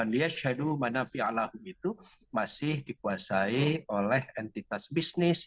liyashadu manafi'alahu itu masih dikuasai oleh entitas bisnis